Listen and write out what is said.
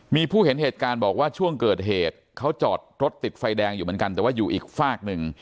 มีผู้เห็นเหตุการณ์บอกว่าช่วงเกิดเหตุเขาจอดรถติดไฟแดงอยู่เหมือนกันแต่ว่าอยู่อีกฝากหนึ่ง